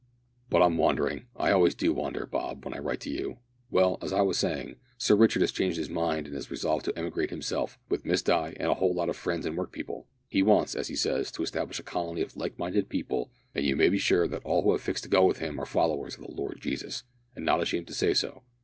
"But I'm wandering, I always do wander, Bob, when I write to you! Well, as I was saying, Sir Richard has changed his mind and has resolved to emigrate himself, with Miss Di and a whole lot of friends and work people. He wants, as he says, to establish a colony of like minded people, and so you may be sure that all who have fixed to go with him are followers of the Lord Jesus and not ashamed to say so.